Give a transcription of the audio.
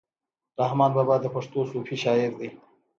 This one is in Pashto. رحمان بابا د پښتو صوفي شاعر دی.